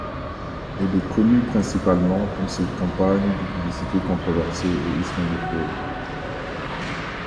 Elle est connue principalement pour ses campagnes de publicité controversées et islamophobes.